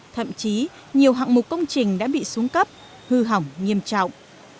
thậm chí nhiều hạng mục công trình đã bị xuống cấp hư hỏng nghiêm trọng